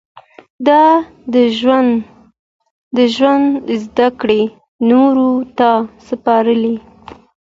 ده د ژوند زده کړې نورو ته سپارلې.